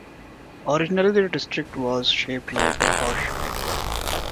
Originally the district was shaped like a horseshoe.